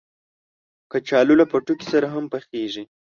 کچالو له پوټکي سره هم پخېږي